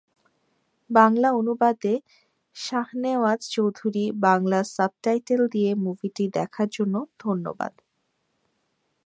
বাংলা অনুবাদেঃ শাহনেওয়াজ চৌধুরী বাংলা সাবটাইটেল দিয়ে মুভিটি দেখার জন্য ধন্যবাদ।